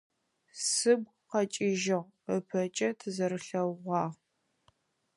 Сыгу къэкӏыжьыгъ, ыпэкӏэ тызэрэлъэгъугъагъ.